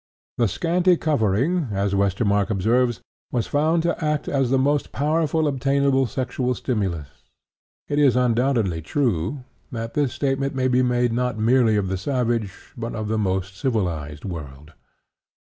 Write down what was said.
"The scanty covering," as Westermarck observes, "was found to act as the most powerful obtainable sexual stimulus." It is undoubtedly true that this statement may be made not merely of the savage, but of the most civilized world.